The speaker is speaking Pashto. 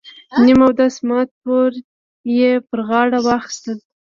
نیم اودس مات تور یې پر غاړه واخیست.